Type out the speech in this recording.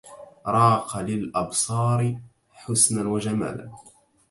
راق للأبصار حسنا وجمالا